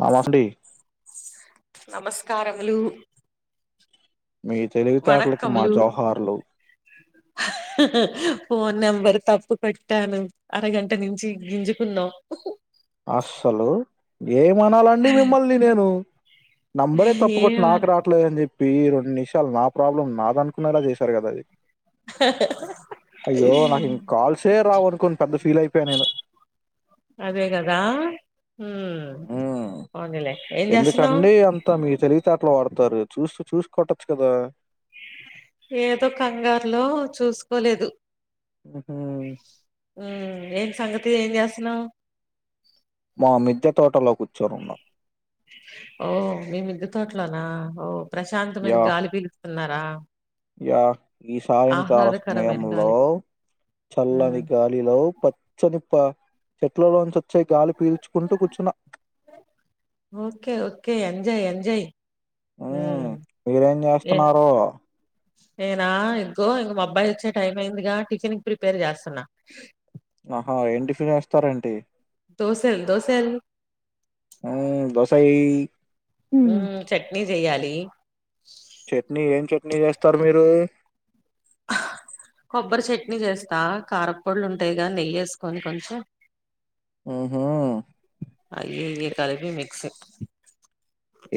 మమ అస్తుంది నమస్కారములు మీ తెలివితేటలకి మా వనక్కములు జోహార్లు ఫోన్ నెంబరు తప్పు పెట్టాను అరగంట నుంచి గింజుకున్నాం. అస్సలు ఏమనాలండి మిమ్మల్ని నేను నంబరే ఏ తప్పుకోట్టి నాకు రావట్లేదని చెప్పి రెండు నిమిషాలు నా ప్రాబ్లం నాద అనుకున్నే లా చేశారు కదా అది అయ్యో నాకు ఇంకాల్సే రావు అనుకుని పెద్ద ఫీల్ అయిపోయాన్ నేను రా ఆ ఏం చేస్తున్నావు ఎందుకండి అంత మీ తెలివితేట టలు వడతారు చూసి చూసి కొట్టొచ్చు కదా. ఏదో కంగారులో చూసుకోలేదు. ఉహు ఏం సంగతి ఏం జేస్తున్నావ్ మా మిద్య తోటలో కూర్చొని ఉన్న ఓ మీ మిద్ద తొట్లోన ఓ ప్రశాంతమైన యా గాలి పీలుస్త ఉన్నరా యా ఈ సాయంకాల ఆహ్లాదకరమైన సమయంలో గాలి హ్మ్ చల్లని గాలిలో పచ్చని పా చెట్లులోంచ చి గాలి పీల్చుకుంటూ కూర్చున్నా కే ఎంజాయ్ ఎంజాయ్ ఉ హ్మ్ మీరేం ఏ చేస్తున్నారు నేనా ఇంకో ఇంగ మా అబ్బాయి వచ్చే టైం అయిందిగా టిఫిన్ కి ప్రిపేర్ చేస్తున్నా ఆహా ఏంటిఫిన్ చేస్తారు ఏంటి దోశలు దోశలు హ్మ్ దోస ఏయి ఉ చట్నీ చెయ్యాలి లి చట్నీ ఏం చట్నీ చేస్తారు మీరు కొబ్బరి చట్నీ చేస్తా కారపొళ్ళు ఉంటాయి గా నెయ్యి ఏసుకొని కొంచెం ఉహు అయ్యి ఇయ్యి కలిపి మిక్సీ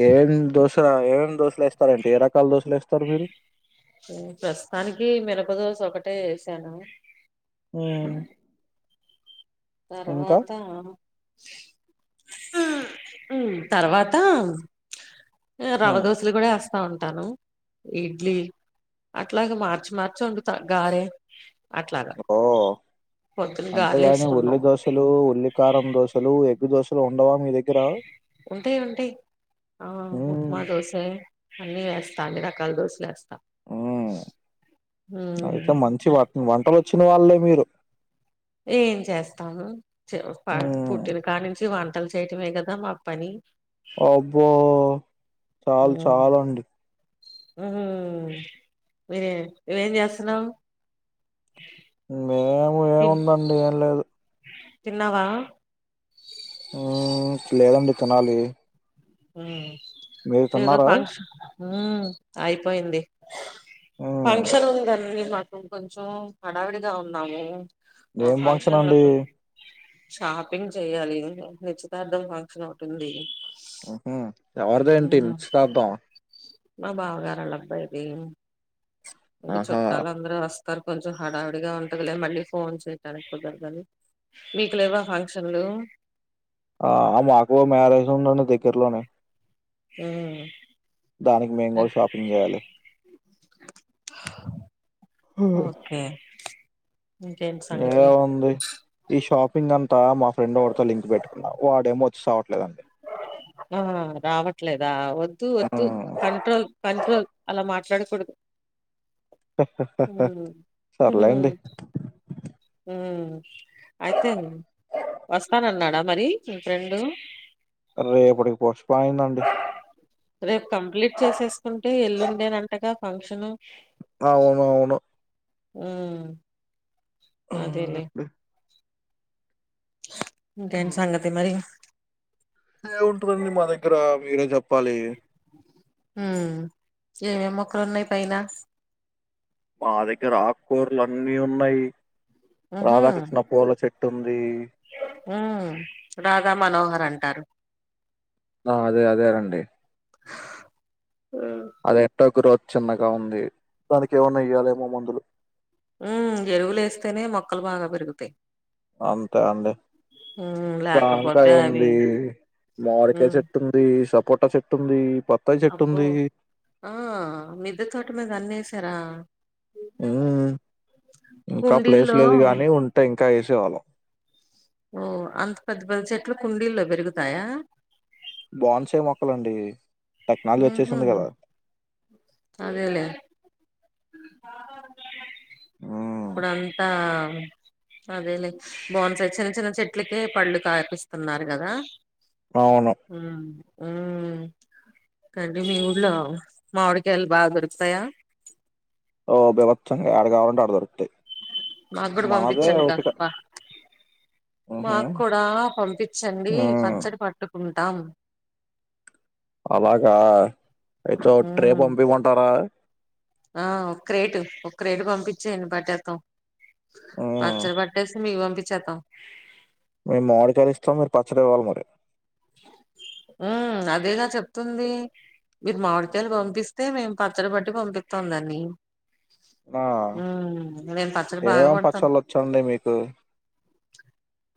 ఏం ఏం దోస ఏం ఏమి దోశలు ఏస్తారు అంటే ఏ రకాల దోశలు ఏస్తారు మీరు ప్రస్తుతానికి మినపదోస ఒకటే ఏసాను హుమ్ తర్వాత తర్వాత ఏ రవ్వ మ్మ్ దొసలు గుడ ఏస్ స్తా ఉంటాను ఇడ్లీ అట్లాగ మార్చి మార్చి వండుత గారే అట్లాగా ఓ పొద్దున గార్లు ఏస్ అంతేగాని ఉల్లి దోశలు ఉల్లి కారం దోశలు ఎగ్గు దోశలు ఉండవా మీ దగ్గర ఉంటాయి ఉంటాయి ఆ మ్మ్ ఉప్మా దోసె అన్ని వేస్తా అన్ని రకలు దోసలేస్తా హ్మ్ ఉమ్, అయితే మంచి వా వంట వచ్చిన వాళ్ళే మీరు ఏం చేస్తాము హ్మ్ పుట్టిని కానించి వంట్ టలు చేయటమే కదా మా పని అబ్బో చాలు చాలండి ఉ మీర్ నువ్వు ఏం చేస్తున్నావు మే నువ్వు ఏముందండి ఏం లేదు తిన్నా వా ఊ లేదండి తినాలి హు మీరు ఏదో తిన్నారా ఫంక్షన్ ఉ అయిపోయింది హ్మ్ ఫంక్షన్ ఉంది అంది మీ మ కొంచెం హడావిడిగా ఉన్నాము ఆ ఏం ఫంక్షన్ లో అండి షాపింగ్ చేయాలి నిశ్చితార్థం ఫంక్షన్ ఒకటి ఉంది ఉహూ ఎవరిది ఏంటి ఉమ్, నిచ్చితార్ధం మా బావగారోలా అబ్బాయిది ఇంకా ఆహా చుట్టాల అందరూ వస్త తారు కొంచెం హడావుడిగా ఉంటదిలే మళ్ళీ ఫోన్ చేయడానికి కుదరదని మీకు లేవా ఫంక్షన్లు ఆ మాకు మ్యారేజ్ ఉందిండి దగ్గరలోనే హు దానికి మేము గుడా షాపింగ్ చేయాలి హ ఓకే ఇంకేంటి ఎం సంగతులు ఉంది ఈ షాపింగ్ అంత మాఫ్ ఫ్రెండ్ ఒగడితో లింక్ పెట్టుకున్నావు వాడేమో చావట్లేదాండి ఆ రావట్లేదా వద్దు వద్దు హ్మ్. కంట్రోల్ కంట్రోల్ అలా మాట్లాడకూడదు అహ అహ ఉమ్, ఉమ్, సర్లేండి ఉమ్. అయితే వస్తానన్నాడా మరి మీ ఫ్రెండ్ రేపటికీ పోస్టుపోన్ అయిందండి రేపు కంప్లీట్ చేసేసుకుంటే ఎల్లుండే నా అంటగా ఫంక్షన్ అవునవును ఊ అదేలే ఇంకేంటి సంగతి మరి ఏం ఉంటుదండి మా దగ్గర మీరే జెప్పాలి ఉమ్ ఏం ఏం మొక్కలున్నాయి పైన మా దగ్గర ఆకుకూరలు అన్నీ ఉన్నాయి. రాధాకృష్ణ పూల చట్ తొమ్మిది ఉ రాదు రామ్ మనోహర్ అంటారు. ఆ అదే అదే అండి అది ఎట్ట గ్రోత్ చిన్నగా ఉంది దానికి ఏమన్నా ఏయ్యాలేమో మందులు. ఉ ఎరువులు లేస్తేనే మొక్కలు బాగా పెరుగుతాయి. అంతే అండి ఉమ్ లేకపోతే జామకాయ్ అవి ఉంది. మామిడికాయ్ ఉమ్ చెట్టు ఉంది స పొటా చెట్టు ఉంది. బత్తాయి చెట్టు అబ్బో ఉంది ఆ మిద్దె తోటమీద అన్ని ఏసు తరా ఉ ఇంకా ప్లేస్ కుండీల్లో లేదు గాని, ఉంటే ఇంకా ఏసు చేవలం ఓ అంత పెద్ద పెద్ద చెట్లు కుండీల్లో పెరుగుతాయా. బోన్సాయ్ మొక్కలండి. టెక్నాలజీ ఉహు వచ్చేసింది కదా అదేలే ఉమ్ ఇప్పుడు అంతా అదేలే బోన్సాయ్ చిన్న చిన్న చెట్లకే పళ్ళు కాపిస్తున్నారు కదా. అవును ఊ ఊ కంటీ మీ ఊళ్ళో మావిడికాయలు బాగా దొరుకుతాయా. ఓ బిభత్సంగా యాడ కావాలంటే ఆడ దొరుకుతాయి. మాకు కూడా మనదే పంపించండి. ఓపిక కాసపా ఉహు మాకు కూడా పంపించండి ఆ పచ్చడి పట్టుకుంట టామ్ అలాగా అయితే ట్రే మ్మ్ పంపియమంటారా ఆ ఒక్క క్రేటు ఒక్క క్రేటు పంపించేన్ని పెట్టేద్దాం. ఆ పచ్చడి పెట్టేసి మీకు పంపిచ్చేతాం. మేము మామిడికాయలు ఇస్తాం. మీరు పచ్చడి ఇవ్వాలి మరి. ఉ అదేగా చెప్తుంది. మీరు మామిడికాయలు ఆహా. పంపిస్తే మేము పచ్చడి పట్టి పంపిత్తుందని ఆ మ్మ్ నేను పచ్చడి బాగా ఏమేం పడతాను పచ్చళ్ళు వచ్చండి మీకు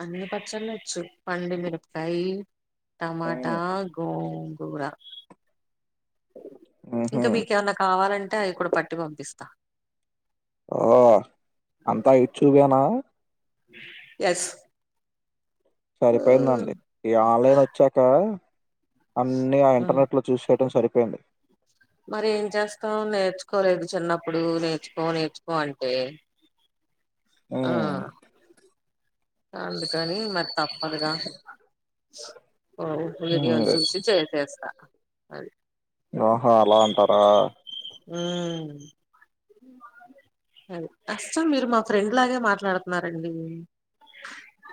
అన్ని పచ్చళ్ళ వచ్చు పండుమిరకాయ టమాటా గోంగూరా ఉహు ఇంకా మీకేమన్నా కావాలన్ టె అవి కూడా పట్టి పంపిస్తా ఆఓ అంతా ఇచ్చుపనా ఎస్ సరిపోయిందండి ఈ ఆన్లైన్ వచ్చాక అన్ని ఆ మ్మ్ ఇంటర్నెట్ లో చూసియడం సరి పోయింది మరి ఏం చేస్తాం నేర్చుకోలేదు చిన్నప్పుడు నేర్చుకో నేర్చుకో అంటే ఆ ఉమ్ అందుకని మరి తప్పదుగా [unintelligible] ఓ ఉమ్, వీడియోలు చూసి చేసేస్తా అది ఓహో అలా అంటారా హ్మ్ అది అచ్చం మీరు మా ఫ్రెండ్ లాగే మాట్లాడుతున్నారండి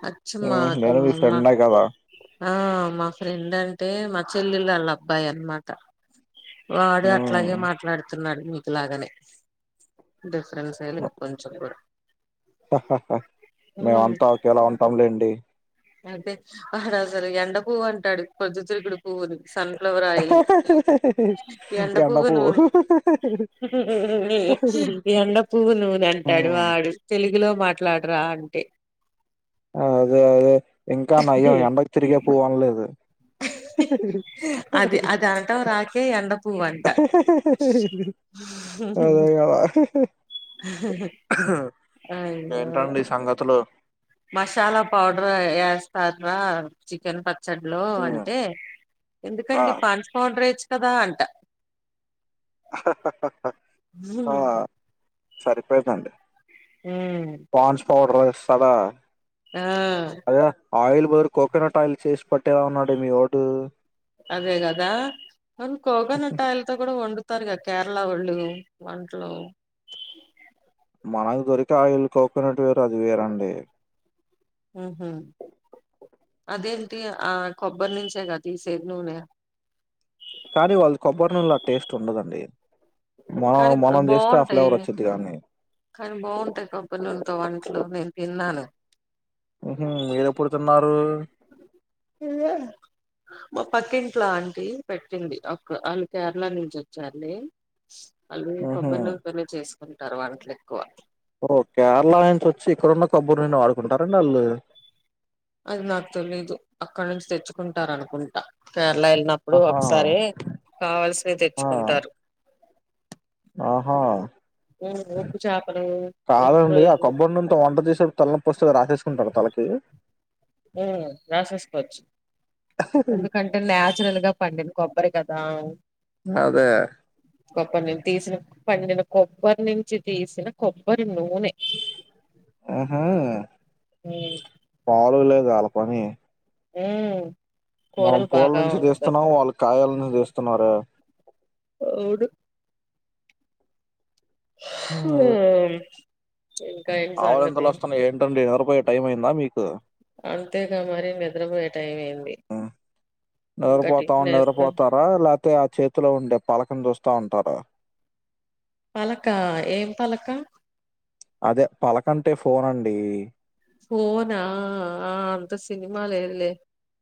అచ్చు హ్మ్ మాకు నేను మీ మా ఫ్రెండ్నే కదా ఆ మా ఫ్రెండ్ అంటే మా చెల్లెళ వాళ్ళ అబ్బాయి అనమాట వాడు ఉమ్. అట్లాగే మాట్ మాట్లాడుతున్నాడు మీకులాగానే క్రాంతి సేల్ కొంచెం కూడా మేమంతా ఒకేలా ఉంటాంలేండి అదే వాడు అసలు ఎండ పువ్వు అంటాడు ప్రొద్దుతిరుగుడు పువ్వుని సన్ఫ్లవర్ ఆయిల్ ఎండ పువ్వు ఎండకు నూనె ఎండ పువ్వు నూనె అంటాడు వాడు తెలుగు ఇలో మాట్లాడరా అంటే హా అదే అదే ఇంకా నయం ఎండకు తిరిగే పువ్వు అనలేదు అది అదనటం‌ రాకే ఎండ పువ్వంట అయ్యో ఇంకేంటండి సంగతులు మసాలా పౌడర్ ఎస్తర్నా చికెన్ పక్ చ్చడ్లో అంటే ఆ ఎందుకండి పాన్స్ పౌడర్ ఎయచ్ కదా అంట ఆ సరిపోయిందండి మ్మ్ పాన్స్ పౌడర్ వేస్తాడా అదేరా ఆయిల్ వేరు కోకోనట్ ఆయిల్ చేసిపెట్టే ఏవన్నాడు మీవోడు అదే గదా మనం కోకోనట్ ఆయిల్ తో కూడా వండు తారుగా కేరళ వాళ్ళు వంటలు మనకు దొరికే ఆయిల్ కోకోనట్ వేరు అది వేరండి ఊహూ అదేంటి ఆ కొబ్బరి నుంచే కదా తీసేది నూనె కానీ వాళ్ళు కొబ్బరి నూనెలో ఆ టేస్ట్ ఉండదండి మనం కానీ మనం చేస్తే ఆ బావుంటాయి ఫ్లేవర్ వచ్చిద్ది కానీ కానీ బావుంటాయి కొబ్బరి నూనెతో వంటలు నేన్ తిన్నాను ఊహూ మీరెప్పుడు తిన్నారు ఇంకా మా పక్కింట్లో అంటీ పెట్టింది ఒక్ వాళ్ళు కేరళ నుంచి వచ్చార్లే వాళ్ళు ఉహు కొబ్బరి నూనెతోనే చేస్ కుంటారు వంటలెక్కువ ఓ కేరళ నుంచి వచ్చి ఇక్కడన్న కొబ్బరి నూనె వాడు కుంటారండి వాళ్ళు అది నాకు తెలీదు అక్కడ నుంచి తెచ్చుకుంటారనుకుంటా కేర్ ళ వెళ్ళినప్పుడు ఆహా ఒకసారి కావాల్సినవి ఆ తెచ్చుకుంటారు ఆహా ఉమ్, ఉప్పు చేపలు ఎండు కాదండి ఆ రొయ్యలు కొబ్బరి నూనెతో వంట చేశాక తలనొప్పి వస్తే రాసేసుకుంటారా తలకి ఉమ్ రాసేసుకోవచ్చు ఎందుకంటే నాచురల్ గా పండిన కొబ్బరి కదా అదే కొబ్బర్ [unintelligible] తీసిన పండిన కొబ్బరి నుంచి తీసిన కొబ్బ ఆహా పాలూ లే వాల పని ఉమ్ మనం కూరలు పూల బాగా నుంచి వండుతారు తీస్తున్నాం వాళ్ళ కాయల ను తీస్తున్నారా అవుడు [unintelligible] ఇంకా ఏం ఆవులింతలు సంగతి వస్తన్నాయి ఏంటండి నిదర పోయే టైం అయిందా మీకు అంతే గా మరి నిద్రపోయే టైమే ఊమ్ నిద్రపోతా వేస్తాను నిద్రపోతారా లాక్తే ఆ చేతిలో ఉండే పలకను చూస్ తా ఉంటార పలక ఏం పలక అదే పలకంటె ఫోన్ అండి ఫోనా ఆ అంత సినిమా లేదులె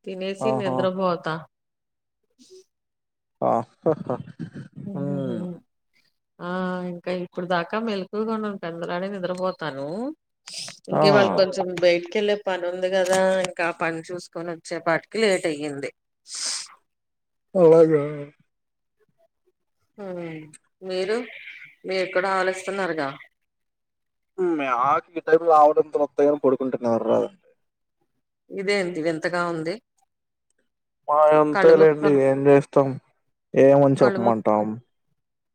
తినేసి ఆహా! నిద్రపోత ఇహి ఆ హహ ఉ హు హు ఆ ఇంకా ఇప్పుడు దాకా మెలుకువగానె ఉంటాను, అలానె నిద్రపోతాను. ఇంక ఆ! ఇవాళ కొంచెం లేట్ కెళ్ళే పని ఉంది కదా ఇంక ఆ పని చూసుకొని వచ్చేపాటికి లేట్ అయ్యింది. అవునా హ మీరు మీరు కూడ ఆవలిస్తున్నారుగా హుమ్ మే అవలింతకు నిద్ర రావడం తేలుత్తది గానీ పడుకుంటె నిదుర రాదు. ఇదేంటి వింతగా ఉంది మాది కళ్ళు అంతేలేండి మూసుకొని ఏం చేస్తాం. ఏమని కళ్ళు మూ చెప్పమంటాం.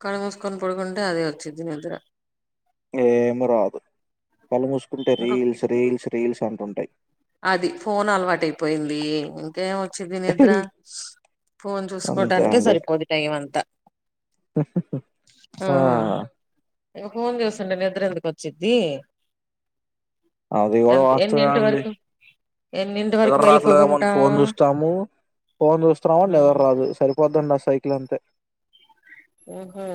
కళ్ళు మూసుకొని పడుకుంటే అదే వచ్చిద్ది నిద్ర ఏం రాదు కళ్ళు మూసుకుంటే ఇంకా రీల్స్ రీల్స్ రీల్స్ అంటుంటాయి. అది ఫోన్ అలవాటైపోయింది. ఏం వచ్చిద్ది నిద్ర, ఫోన్ అంతే చూసుకోటానికే అండి. సరిపోద్ది టైమ్ అంతా ఆ ఇగ ఫోన్ చూస్తుంటె నిద్రెందుకు వచ్చిద్ది? అది కూడ ఎంత వాస్తవే ఎన్నింటి అండి వరకు ఎన్నింటి వరకు నిదర రాట్లేమో అని మెలుకుగుంటా ఫోన్ చూస్తాము. ఫోన్ చూస్తన్నాము అని నిదర ఉమ్ రాదు సరిపోద్దండి అస్ సైకిల్ అంతే. ఉహో.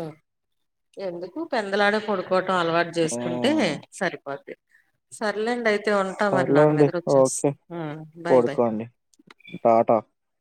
ఎందుకు పెందులాడే పడు కోవటం అలవాటు చేసుకుంటే హ్మ్. సరిపోద్ది. సర్లేండి అయి తే ఉంటా మరి నాకు సర్లేండి. నిదుర వచ్చేస్ ఓకే. మ్మ్ బాయ్ బాయ్ పడుకోండి టాటా